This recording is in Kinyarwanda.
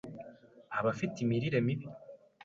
abafite imirire mibi,